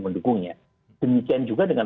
mendukungnya demikian juga dengan